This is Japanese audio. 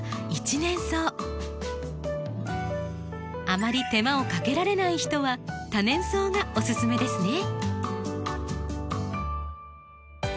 あまり手間をかけられない人は多年草がおすすめですね。